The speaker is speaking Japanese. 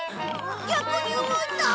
逆に動いた！